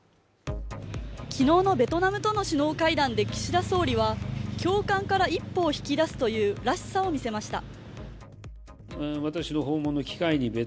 昨日のベトナムとの首脳会談で岸田総理は共感から一歩を引き出すというらしさを見せました。